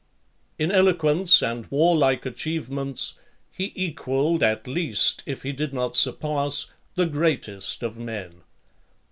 LV. In eloquence and warlike achievements, he equalled at least, if he did not surpass, the greatest of men.